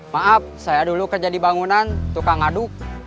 maaf saya dulu kerja di bangunan tukang aduk